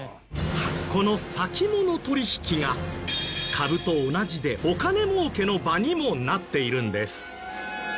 この先物取引が株と同じでお金儲けの場にもなっているんです。